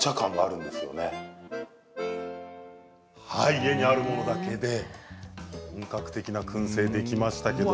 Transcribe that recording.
家にあるものだけで本格的なくん製ができましたけども。